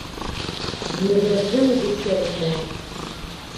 Ils ne veulent rien négocier avec moi.